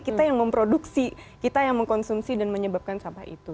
kita yang memproduksi kita yang mengkonsumsi dan menyebabkan sampah itu